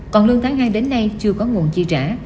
còn lương tháng hai đến nay chưa có nguồn chi trả